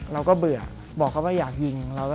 เบื่อบอกเขาว่าอยากยิง